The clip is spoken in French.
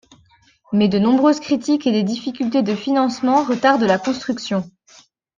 Mais de nombreuses critiques et des difficultés de financement retardent la construction.